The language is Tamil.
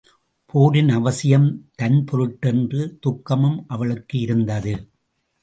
போரின் அவசியம் தன் பொருட்டென்ற துக்கமும் அவளுக்கு இருந்தது.